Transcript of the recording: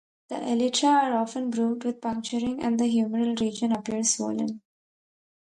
The elytra are often grooved with puncturing and the humeral region appear swollen.